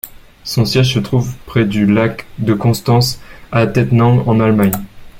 Son siège se trouve près du Lac de Constance à Tettnang en Allemagne.